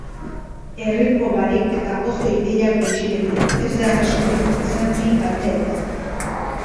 Erritmo barik eta oso ideia gutxirekin, ez da arriskurik izan bi ateetan.